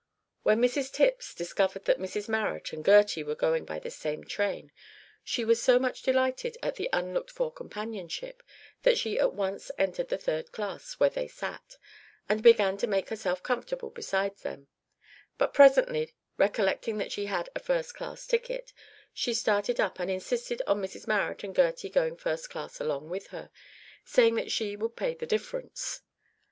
When Mrs Tipps discovered that Mrs Marrot and Gertie were going by the same train, she was so much delighted at the unlooked for companionship that she at once entered the third class, where they sat, and began to make herself comfortable beside them, but presently recollecting that she had a first class ticket she started up and insisted on Mrs Marrot and Gertie going first class along with her, saying that she would pay the difference.